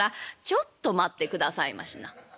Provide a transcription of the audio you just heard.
「ちょっと待ってくださいましな。